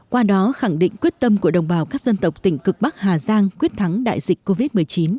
qua đó khẳng định quyết tâm của đồng bào các dân tộc tỉnh cực bắc hà giang quyết thắng đại dịch covid một mươi chín